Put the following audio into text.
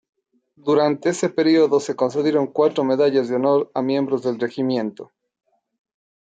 Durante este período se concedieron cuatro Medallas de Honor a miembros del regimiento.